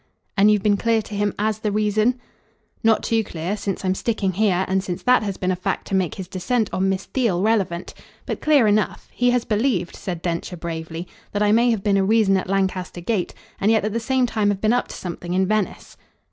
"And you've been clear to him AS the reason?" "Not too clear since I'm sticking here and since that has been a fact to make his descent on Miss Theale relevant. But clear enough. He has believed," said Densher bravely, "that I may have been a reason at Lancaster Gate, and yet at the same time have been up to something in Venice."